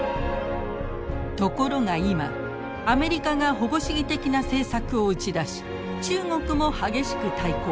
ところが今アメリカが保護主義的な政策を打ち出し中国も激しく対抗。